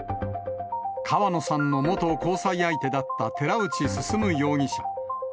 川野さんの元交際相手だった寺内進容疑者。